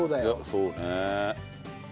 そうね。